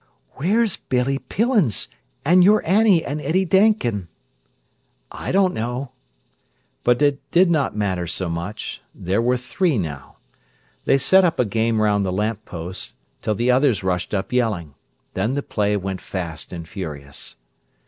"Where's Billy Pillins an' your Annie an' Eddie Dakin?" "I don't know." But it did not matter so much—there were three now. They set up a game round the lamp post, till the others rushed up, yelling. Then the play went fast and furious.